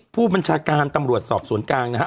ผู้บัญชาการตำรวจสอบสวนกลางนะฮะ